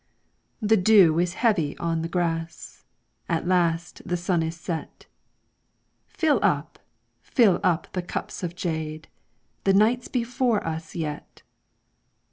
The dew is heavy on the grass, At last the sun is set. Fill up, fill up the cups of jade, The night 's before us yet